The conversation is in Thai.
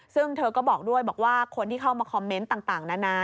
ซึ่งเธอก็บอกด้วยบอกว่าคนที่เข้ามาคอมเมนต์ต่างนานา